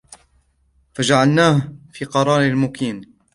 فجعلناه في قرار مكين